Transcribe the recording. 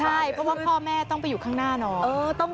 ใช่เพราะว่าพ่อแม่ต้องไปอยู่ข้างหน้าน้อง